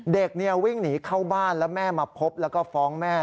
เด็กวิ่งหนีเข้าบ้านแล้วแม่มาพบแล้วก็ฟ้องแม่